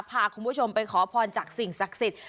พาคุณผู้ชมไปขอพรจากสิ่งศักดิ์สิทธิ์